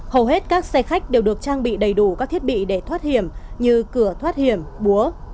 hầu hết các xe khách đều được trang bị đầy đủ các thiết bị để thoát hiểm như cửa thoát hiểm búa